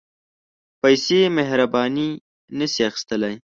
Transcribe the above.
پېسې مهرباني نه شي اخیستلای.